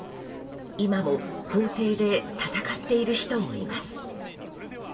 今も法廷で戦っている人もいます。